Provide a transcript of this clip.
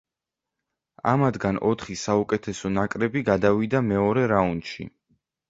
ამათგან ოთხი საუკეთესო ნაკრები გადავიდა მეორე რაუნდში.